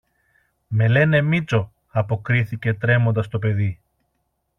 Με λένε Μήτσο, αποκρίθηκε τρέμοντας το παιδί